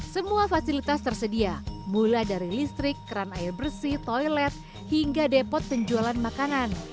semua fasilitas tersedia mulai dari listrik keran air bersih toilet hingga depot penjualan makanan